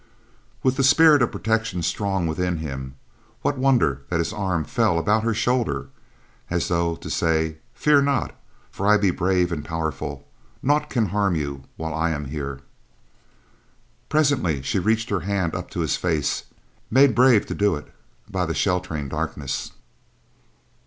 With the spirit of protection strong within him, what wonder that his arm fell about her shoulder as though to say, fear not, for I be brave and powerful; naught can harm you while I am here. Presently she reached her hands up to his face, made brave to do it by the sheltering darkness.